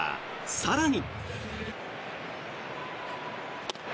更に。